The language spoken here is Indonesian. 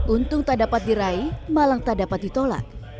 untung tak dapat diraih malang tak dapat ditolak